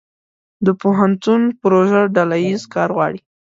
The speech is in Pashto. د پوهنتون پروژه ډله ییز کار غواړي.